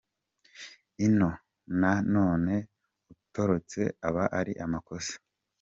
Iyo na none utorotse aba ari amakosa.